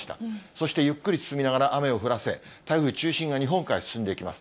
そしてゆっくり進みながら、雨を降らせ、台風中心が日本海、進んでいきます。